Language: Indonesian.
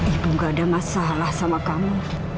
ibu gak ada masalah sama kamu